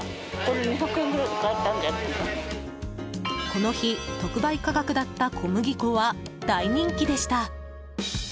この日、特売価格だった小麦粉は大人気でした。